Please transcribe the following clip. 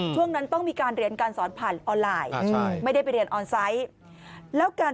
ช่วงนั้นต้องมีการเรียนการสอนผ่านออนไลน์